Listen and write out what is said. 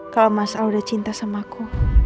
kalau mas al udah cinta sama aku